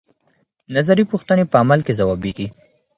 نظري پوښتنې په عمل کې ځوابيږي.